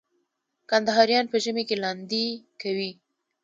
کندهاریان په ژمي کي لاندی کوي.